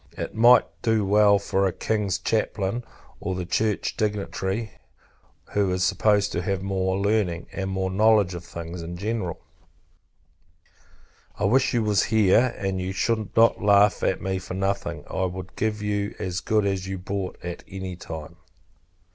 It might do well enough for a King's chaplain; or a church dignitary, who is supposed to have more learning, and more knowledge of things in general. I wish you was here, and you should not laugh at me for nothing. I would give you as good as you brought, at any time.